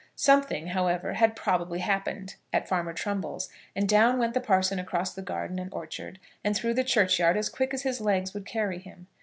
Something, however, had probably happened at Farmer Trumbull's; and down went the parson across the garden and orchard, and through the churchyard, as quick as his legs would carry him.